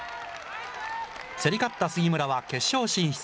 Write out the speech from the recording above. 競り勝った杉村は決勝進出。